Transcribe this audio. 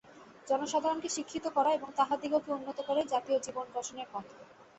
জনসাধারণকে শিক্ষিত করা এবং তাহাদিগকে উন্নত করাই জাতীয় জীবন-গঠনের পন্থা।